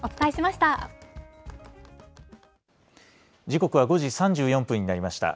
時刻は５時３４分になりました。